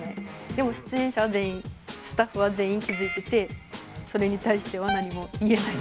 でも出演者は全員スタッフは全員気づいててそれに対しては何も言えない。